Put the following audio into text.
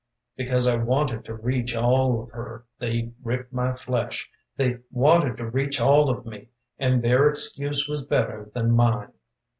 Because I wanted to reach all of her They ripped my flesh. They wanted to reach all of me And their excuse was better than mine.